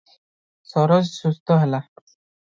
ସରୋଜ ସୁସ୍ଥ ହେଲା ।